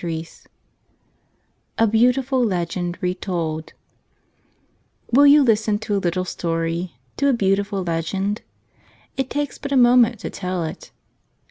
2C a 'Beautiful LegenO Betold W]^W'W ILL you listen to a little story, to a beauti M M I ful legend? It takes but a moment to tell it.